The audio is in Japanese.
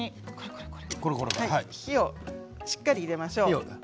火をしっかり入れましょう。